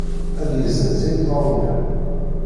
Ad yezzenz imeṭṭawen-iw.